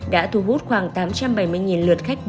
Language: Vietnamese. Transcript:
đã thu hút khoảng tám trăm bảy mươi lượt khách